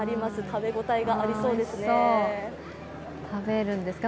食べ応えがありそうですね。